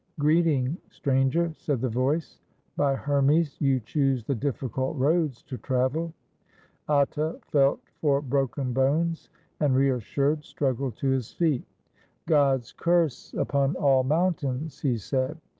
"Greeting, stranger," said the voice. "By Hermes, you choose the difficult roads to travel." Atta felt for broken bones, and, reassured, struggled to his feet. "God's curse upon all mountains," he said.